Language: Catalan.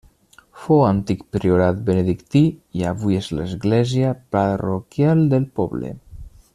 Fou antic priorat benedictí, i avui és església parroquial del poble.